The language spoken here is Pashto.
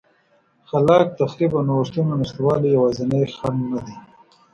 خلاق تخریب او نوښتونو نشتوالی یوازینی خنډ نه دی